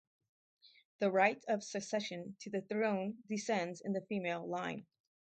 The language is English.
The right of succession to the throne descends in the female line.